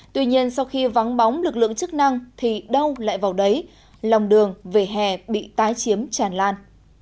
tuy nhiên sau khi vắng bóng lực lượng chức năng thì đâu lại vào đấy lòng đường về hè bị tái chiếm tràn lan